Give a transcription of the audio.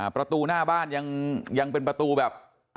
ประตูหน้าบ้านยังเป็นประตูแบบ